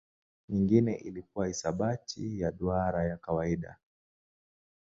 Nyingine ilikuwa hisabati ya duara ya kawaida.